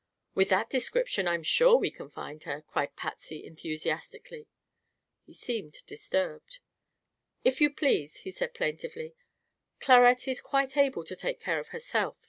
"With that description I am sure we can find her," cried Patsy enthusiastically. He seemed disturbed. "If you please," said he plaintively, "Clarette is quite able to take care of herself.